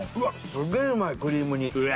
すげえうまいクリーム煮うわ